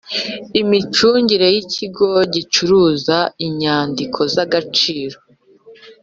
imicungire y ikigo gicuruza inyandiko z agaciro